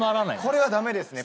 これは駄目ですね。